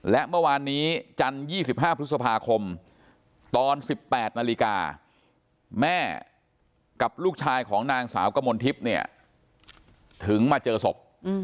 และเมื่อวานนี้จันทร์๒๕พฤษภาคมตอน๑๘นาฬิกาแม่กับลูกชายของนางสาวกมลทิพย์เนี่ยถึงมาเจอศพ